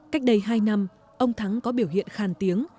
cách đây hai năm ông thắng có biểu hiện khàn tiếng